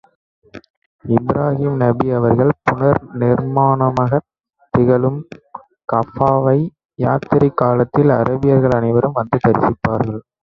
இப்ராஹீம் நபி அவர்கள் புனர் நிர்மாணமாகத் திகழும் கஃபாவை யாத்திரைக் காலத்தில் அரேபியர்கள் அனைவரும் வந்து தரிசிப்பார்கள்.